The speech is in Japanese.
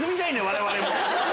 我々も。